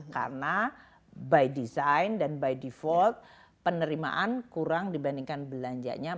karena by design dan by default penerimaan kurang dibandingkan belanjanya